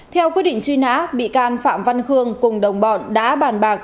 theo quyết định truy nã bị can phạm văn khương cùng đồng bọn đã bàn bạc